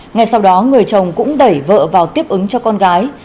ngay sau đó người chồng cũng đẩy vợ vào tiếp ứng cho con gái